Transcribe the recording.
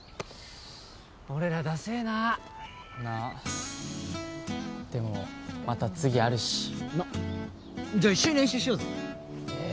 俺らだせえななっでもまた次あるしなっじゃあ一緒に練習しようぜえ